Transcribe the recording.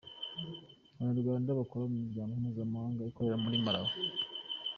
Abanyarwanda bakora mu miryango mpuzamahanga ikorera muri Malawi;